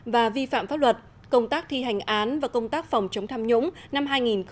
và vi phạm pháp luật công tác thi hành án và công tác phòng chống tham nhũng năm hai nghìn một mươi chín